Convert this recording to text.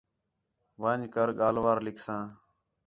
وَن٘ڄ کر ڳاھلوار لکھساں